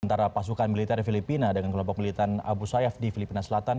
antara pasukan militer filipina dengan kelompok militan abu sayyaf di filipina selatan